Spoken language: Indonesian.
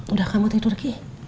udah kamu tidur ki